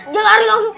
jadi dia lari langsung